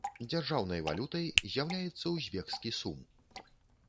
Дзяржаўнай валютай з'яўляецца узбекскі сум.